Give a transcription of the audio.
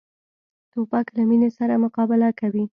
توپک له مینې سره مقابله کوي.